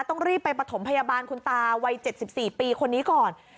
ต้องรีบไปประถมพยาบาลคุณตาวัย๗๔ปีคนนี้ก่อน